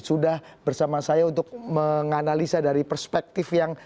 sudah bersama saya untuk menganalisa dari perspektif yang